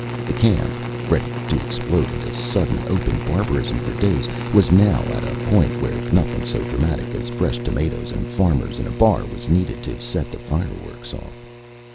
The camp ready to explode into sudden, open barbarism for days was now at a point where nothing so dramatic as fresh tomatoes and farmers in a bar was needed to set the fireworks off.